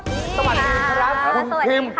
สวัสดีครับคุณพิม